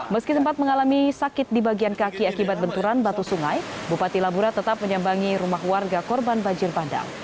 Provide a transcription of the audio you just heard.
meski sempat mengalami sakit di bagian kaki akibat benturan batu sungai bupati labura tetap menyambangi rumah warga korban banjir bandang